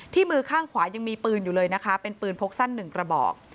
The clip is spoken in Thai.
มือข้างขวายังมีปืนอยู่เลยนะคะเป็นปืนพกสั้นหนึ่งกระบอก